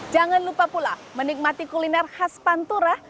jangan lupa pula menikmati kuliner khas pantura